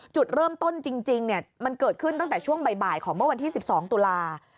จุดเริ่มต้นจริงมันเกิดขึ้นตั้งแต่ช่วงบ่ายของเมื่อวันที่๑๒ตุลา